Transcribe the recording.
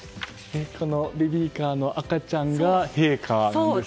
ベビーカーの赤ちゃんが陛下なんですか？